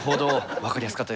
分かりやすかったです。